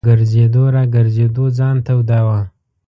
په ګرځېدو را ګرځېدو ځان توداوه.